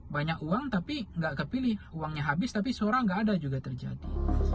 banyak uang tapi nggak kepilih uangnya habis tapi suara nggak ada juga terjadi